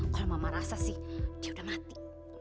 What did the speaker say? kalau mama rasa sih dia udah mati